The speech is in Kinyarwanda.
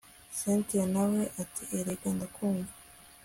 cyntia nawe ati erega ndakumva